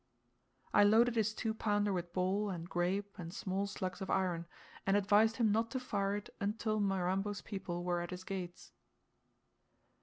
I loaded his two pounder with ball, and grape, and small slugs of iron, and advised him not to fire it until Mirambo's people were at his gates.